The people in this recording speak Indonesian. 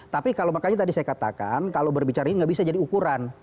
tapi kalau makanya tadi saya katakan kalau berbicara ini nggak bisa jadi ukuran